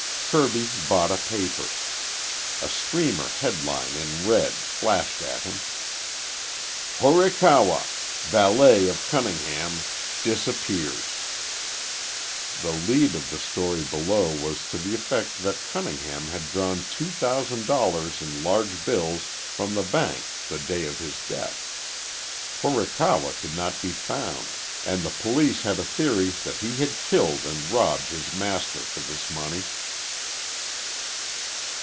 Kirby bought a paper. A streamer headline in red flashed at him. HORIKAWA; VALET OF CUNNINGHAM, DISAPPEARS The lead of the story below was to the effect that Cunningham had drawn two thousand dollars in large bills from the bank the day of his death. Horikawa could not be found, and the police had a theory that he had killed and robbed his master for this money.